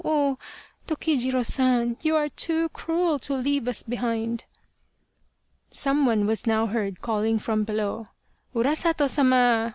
Oh ! Toki jiro San ! you are too cruel to leave us behind." Some one was now heard calling from below. " Urasato Sama